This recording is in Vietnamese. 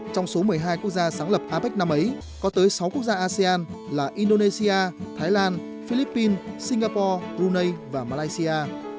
trong số một mươi hai quốc gia sáng lập apec năm ấy có tới sáu quốc gia asean là indonesia thái lan philippines singapore brunei và malaysia